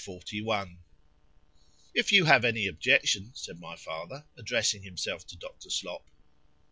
XLI —IF you have any objection,—said my father, addressing himself to Dr. _Slop.